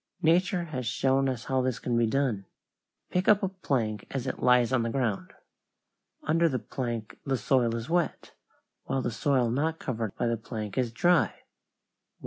Nature has shown us how this can be done. Pick up a plank as it lies on the ground. Under the plank the soil is wet, while the soil not covered by the plank is dry.